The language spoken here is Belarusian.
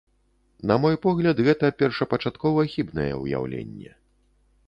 На мой погляд, гэта першапачаткова хібнае ўяўленне.